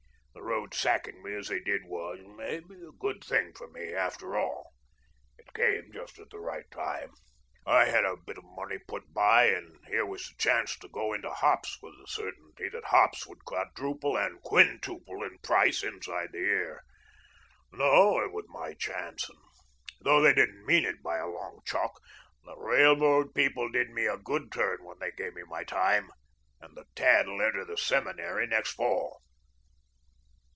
The road sacking me as they did was, maybe, a good thing for me, after all. It came just at the right time. I had a bit of money put by and here was the chance to go into hops with the certainty that hops would quadruple and quintuple in price inside the year. No, it was my chance, and though they didn't mean it by a long chalk, the railroad people did me a good turn when they gave me my time and the tad'll enter the seminary next fall."